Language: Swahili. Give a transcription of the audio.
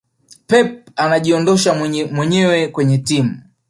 pep anajiondosha mwenyewe kwenye timu